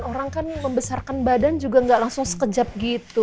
orang kan membesarkan badan juga nggak langsung sekejap gitu